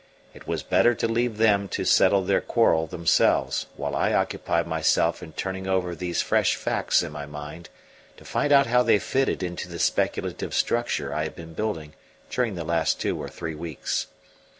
It was better to leave them to settle their quarrel themselves, while I occupied myself in turning over these fresh facts in my mind to find out how they fitted into the speculative structure I had been building during the last two or three weeks.